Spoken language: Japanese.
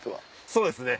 そうですね